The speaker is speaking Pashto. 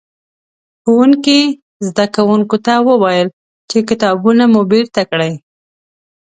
ښوونکي؛ زدکوونکو ته وويل چې کتابونه مو بېرته کړئ.